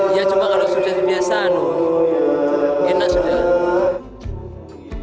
iya kalau sudah terbiasa enak sudah